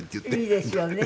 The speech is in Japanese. いいですよね